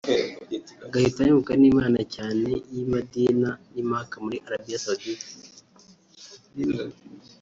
agahita yumvwa n’Imana cyane nyuma y’i Madina n’i Maka muri Arabia Saudite